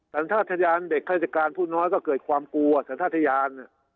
สันทะทะยานเด็กฮัยติการผู้น้อยก็เกิดความกลัวสันทะทะยาน